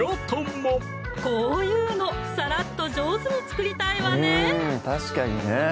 こういうのさらっと上手に作りたいわね